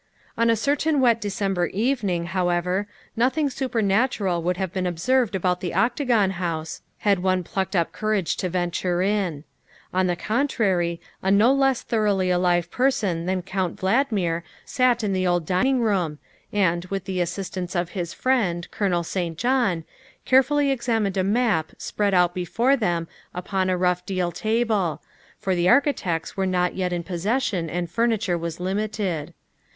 On a certain wet December evening, however, nothing supernatural would have been observed about the Octa gon House had one plucked up courage to venture in. On the contrary, a no less thoroughly alive person than 90 THE WIFE OP Count Valdmir sat in the old dining room and, with the assistance of his friend, Colonel St. John, carefully ex amined a map spread out before them upon a rough deal table, for the architects were not yet in possession and furniture was limited.